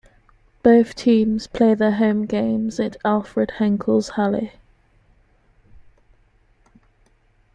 Both teams play their home games at "Alfred-Henckels-Halle".